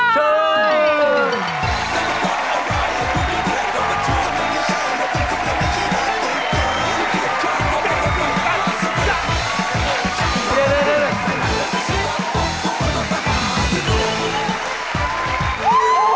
ชื่อ